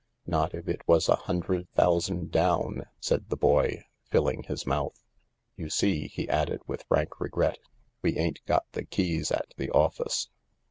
" Not if it was a hundred thousand down," said the boy, filling his mouth. " You see," he added with frank regret, " we ain't got the keys at the office."